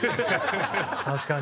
確かに。